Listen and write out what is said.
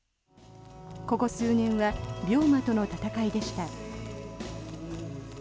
ここ数年は病魔との闘いでした。